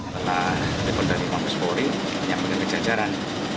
telah berpengalaman dari pampus pori yang mengejajaran